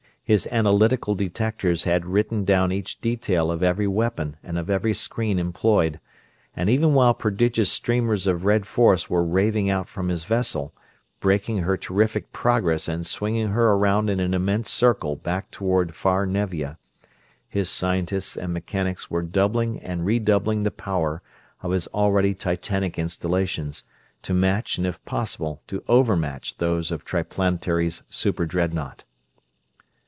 His analytical detectors had written down each detail of every weapon and of every screen employed; and even while prodigious streamers of red force were raving out from his vessel, braking her terrific progress and swinging her around in an immense circle back toward far Nevia, his scientists and mechanics were doubling and redoubling the power of his already Titanic installations, to match and if possible to overmatch those of Triplanetary's super dreadnaught.